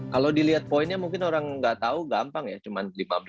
kalau dilihat poinnya mungkin orang nggak tahu gampang ya cuma lima belas delapan lima belas tujuh